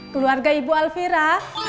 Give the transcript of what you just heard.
keluarga ibu alfira